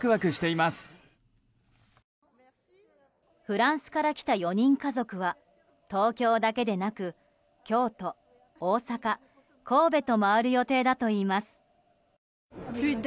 フランスから来た４人家族は東京だけでなく京都、大阪、神戸と回る予定だといいます。